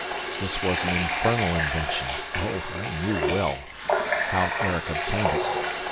This was an infernal invention... Oh, I knew well enough how Erik obtained it!